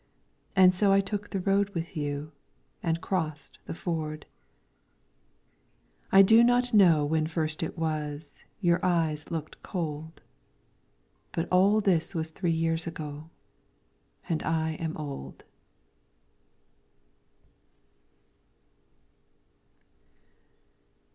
And so I took the road with you. And crossed the ford. 21 LYRICS FROM THE CHINESE I do not know when first it was Your eyes looked cold. But all this was three years ago, And I am old.